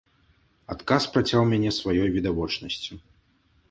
Адказ працяў мяне сваёй відавочнасцю.